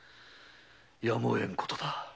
やむを得んことだ。